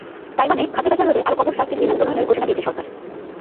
তাইওয়ানে খাদ্যে ভেজাল রোধে আরও কঠোর শাস্তির বিধান প্রণয়নের ঘোষণা দিয়েছে সরকার।